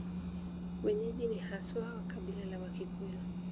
Wenyeji ni haswa wa kabila la Wakikuyu.